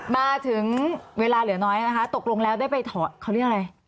มาถึงเวลาเหลือน้อยนะคะตกลงแล้วได้ไปถอดเขาเรียกอะไร